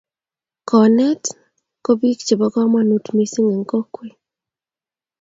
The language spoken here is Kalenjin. konet ko bich che bo komonut misiing en kokwee